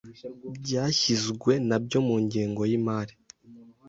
byashyizwe nabyo mu ngengo y’imari.